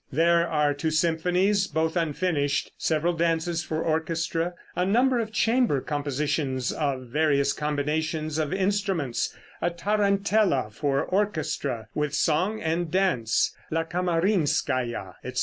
There are two symphonies, both unfinished, several dances for orchestra, a number of chamber compositions of various combinations of instruments, a tarantella for orchestra, with song and dance ("La Kamarinskaia"), etc.